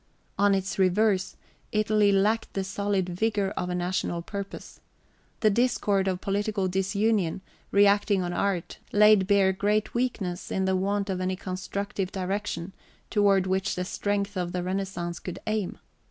On its reverse, Italy lacked the solid vigour of a national purpose. The discord of political disunion, reacting on art, laid bare great weakness in the want of any constructive direction, toward which the strength of the Renaissance could aim.